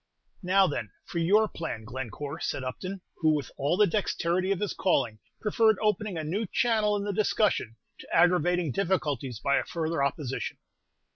"Now, then, for your plan, Glencore," said Upton, who, with all the dexterity of his calling, preferred opening a new channel in the discussion, to aggravating difficulties by a further opposition.